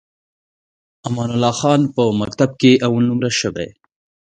امان الله خان په مکتب کې اول نمره شوی.